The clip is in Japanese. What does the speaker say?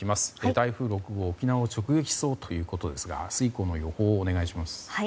台風６号、沖縄を直撃しそうということですが明日以降の予報をお願いします。